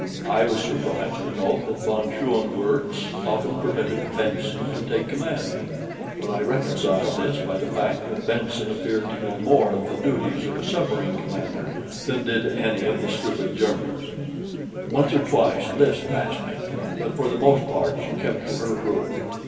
I was surprised to note that von Schoenvorts often permitted Benson to take command; but I reconciled this by the fact that Benson appeared to know more of the duties of a submarine commander than did any of the stupid Germans. Once or twice Lys passed me; but for the most part she kept to her room.